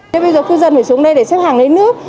thế bây giờ cư dân phải xuống đây để xếp hàng lấy nước